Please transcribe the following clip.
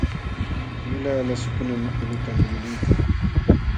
Yulaq lasukunam ulquta muyuliykan.